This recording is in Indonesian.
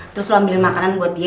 terus lu ambilin makanan buat dia